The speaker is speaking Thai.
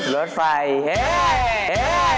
รถไฟเฮ่ย